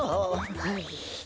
はい。